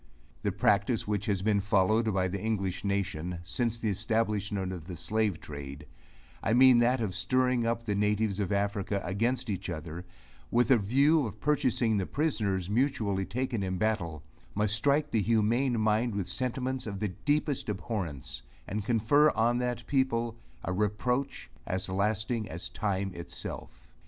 The practice which has been followed by the English nation, since the establishment of the slave trade I mean that of stirring up the natives of Africa, against each other, with a view of purchasing the prisoners mutually taken in battle, must strike the humane mind with sentiments of the deepest abhorrence, and confer on that people a reproach, as lasting as time itself.